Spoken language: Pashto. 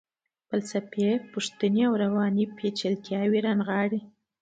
فلسفي پوښتنې او رواني پیچلتیاوې رانغاړي.